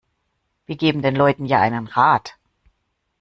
Wir geben den Leuten ja einen Rat.